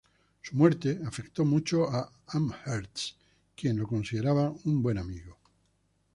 Su muerte afectó mucho a Amherst, quien lo consideraba un buen amigo.